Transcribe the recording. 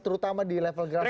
terutama di level grasu